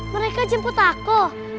mereka jemput aku